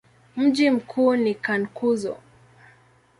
Mji mkuu ni Cankuzo.